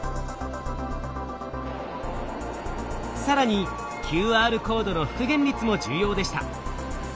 更にＱＲコードの復元率も重要でした。